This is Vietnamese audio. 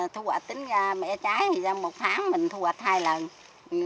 thu hoạch tính ra mẻ trái thì ra một tháng mình thu hoạch hai lần